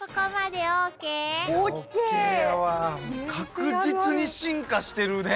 確実に進化してるね。